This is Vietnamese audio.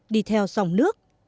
đi theo dòng nước